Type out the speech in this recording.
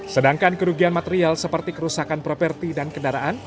sedangkan kerugian material seperti kerusakan properti dan kendaraan